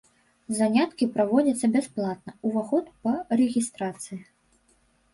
Заняткі праводзяцца бясплатна, уваход па рэгістрацыі.